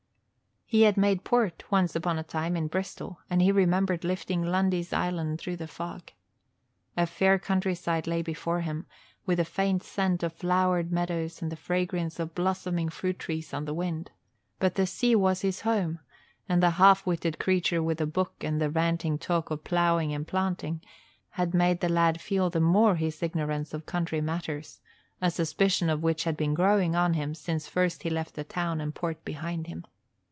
He had made port, once upon a time, in Bristol and he remembered lifting Lundy's Island through the fog. A fair countryside lay before him, with the faint scent of flowered meadows and the fragrance of blossoming fruit trees on the wind, but the sea was his home and the half witted creature with the book and the ranting talk of ploughing and planting had made the lad feel the more his ignorance of country matters, a suspicion of which had been growing on him since first he left the town and port behind him.